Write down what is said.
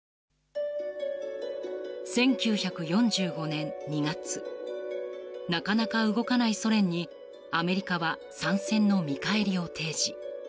１９４５年２月なかなか動かないソ連にアメリカは参戦の見返りを提示。